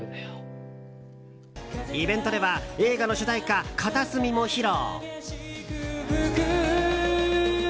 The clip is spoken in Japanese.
イベントでは映画の主題歌「片隅」も披露。